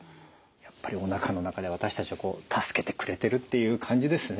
やっぱりおなかの中で私たちを助けてくれてるっていう感じですね。